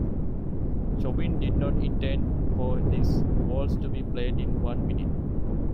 Chopin did not intend for this waltz to be played in one minute.